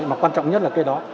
mà quan trọng nhất là cái đó